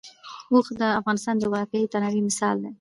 اوښ د افغانستان د جغرافیوي تنوع مثال دی.